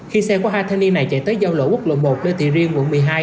khi xe của hai thanh niên này chạy tới giao lộ quốc lộ một lê tị riêng quận một mươi hai